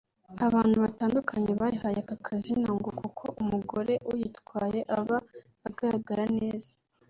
abantu batandukanye bayihaye aka kazina ngo kuko umugore uyitwaye aba agaragara neza